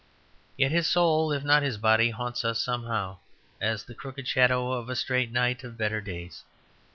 Yet his soul, if not his body, haunts us somehow as the crooked shadow of a straight knight of better days.